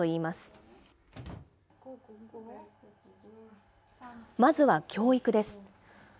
まずは教育です。